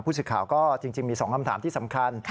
ผู้สื่อข่าวก็จริงมี๒คำถามที่สำคัญ